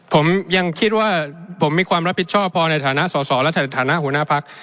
ผมยังคิดว่าผมมีความรับผิดชอบพอในฐานะสอสอและฐานะหัวหน้าพัก